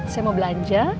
saya mau belanja